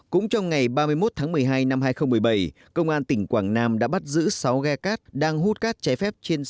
cũng trong ngày ba mươi một tháng một mươi hai năm hai nghìn một mươi bảy công an tỉnh quảng nam đã bắt giữ sáu ghe cát đang hút cát trái phép trên xe